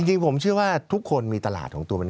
จริงผมเชื่อว่าทุกคนมีตลาดของตัวมัน